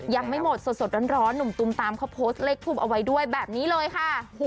ยังไม่หมดสดร้อนหนุ่มตุมตามเขาโพสต์เลขทูปเอาไว้ด้วยแบบนี้เลยค่ะ